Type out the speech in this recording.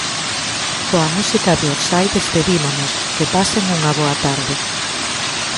Coa música de Orsai despedímonos, que pasen unha boa tarde.